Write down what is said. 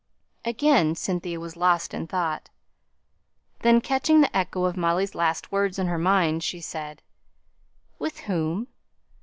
Again Cynthia was lost in thought; then, catching the echo of Molly's last words in her mind, she said, "'With whom?'